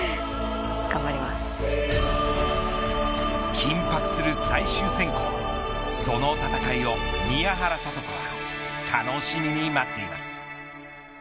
緊迫する最終選考その戦いを宮原知子は楽しみに待っています。